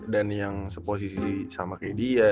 dan yang seposisi sama kayak dia